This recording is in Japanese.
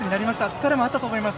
疲れもあったと思います。